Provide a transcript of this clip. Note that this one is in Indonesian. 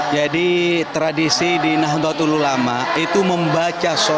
jadi tradisi di nahdlatul ulama itu membaca salawat nariah